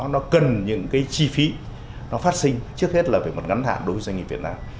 nó cần những cái chi phí nó phát sinh trước hết là về mặt ngắn hạn đối với doanh nghiệp việt nam